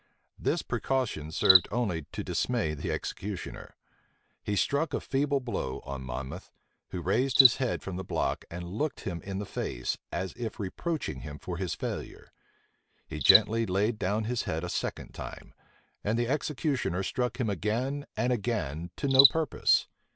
This precaution served only to dismay the executioner. He struck a feeble blow on Monmouth, who raised his head from the block, and looked him in the face, as if reproaching him for his failure. He gently laid down his head a second time; and the executioner struck him again and again to no purpose.